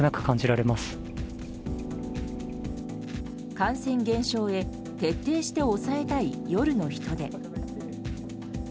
感染減少へ徹底して抑えたい夜の人出。